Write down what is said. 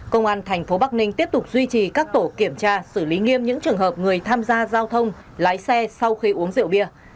công an thành phố bắc ninh tiếp tục duy trì các tổ kiểm tra xử lý nghiêm những trường hợp người tham gia giao thông lái xe sau khi uống rượu bia